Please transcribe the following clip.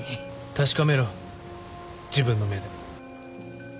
確かめろ自分の目で。